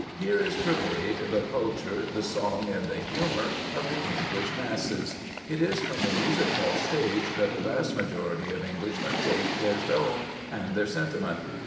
Here is purveyed the culture, the song, and the humour of the English masses. It is from the music hall stage that the vast majority of Englishmen take their tone and their sentiment.